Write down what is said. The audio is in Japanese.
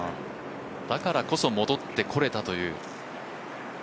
だからこそ戻ってこれたという。